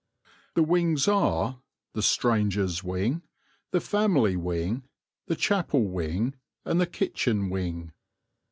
The wings are: the stranger's wing, the family wing, the chapel wing, and the kitchen wing.